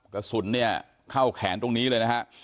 กระสุนเนี่ยเข้าแขนตรงนี้เลยนะฮะ